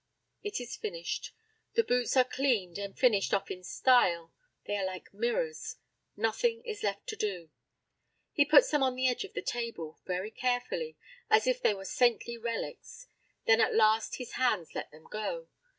It is finished. The boots are cleaned and finished off in style; they are like mirrors. Nothing is left to do. He puts them on the edge of the table, very carefully, as if they were saintly relics; then at last his hands let them go.